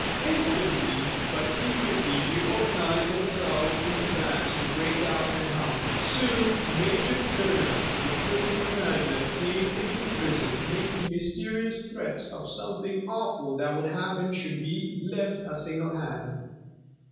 Instantly, but secretly, we organized ourselves into bands to break out and help. Soon Major Turner, the prison commander, came into the prison, making mysterious threats of something awful that would happen should we lift a single hand.